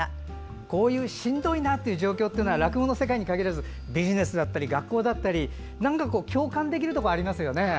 こういうしんどいなという状況は落語の世界に限らずビジネスだったり学校だったり共感できるところがありますよね。